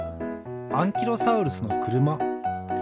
アンキロサウルスのくるま。